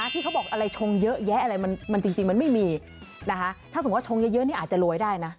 ที่เขาบอกชงเยอะแยะอะไรจริงมันไม่มีถ้าสมมุติว่าชงเยอะนี่อาจจะรวยได้นะ